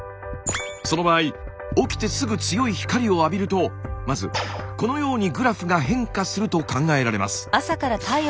その場合起きてすぐ強い光を浴びるとまずこのようにグラフが変化すると考えられます。